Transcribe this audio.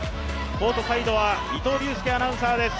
コートサイドは伊藤隆佑アナウンサーです。